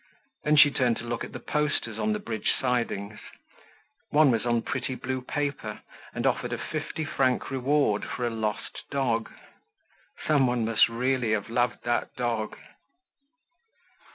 Then she turned to look at the posters on the bridge sidings. One was on pretty blue paper and offered a fifty franc reward for a lost dog. Someone must have really loved that dog!